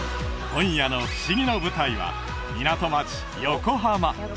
今夜のふしぎの舞台は港町横浜